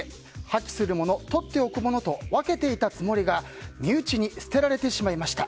破棄するもの、取っておくものと分けていたつもりが身内に捨てられてしまいました。